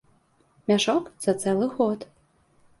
Мяшок за цэлы год.